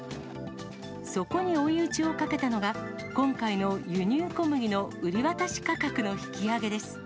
そこに追い打ちをかけたのが、今回の輸入小麦の売り渡し価格の引き上げです。